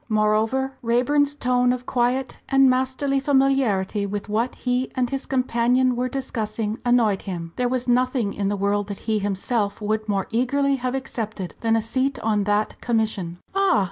Moreover Raeburn's tone of quiet and masterly familiarity with what he and his companion were discussing annoyed him. There was nothing in the world that he himself would more eagerly have accepted than a seat on that Commission. "Ah!